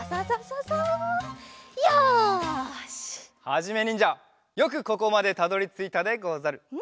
はじめにんじゃよくここまでたどりついたでござる。